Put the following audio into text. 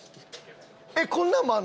えっこんなんもあんの？